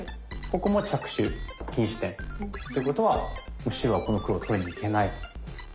ここも着手禁止点。ということは白はこの黒を取りにいけないと。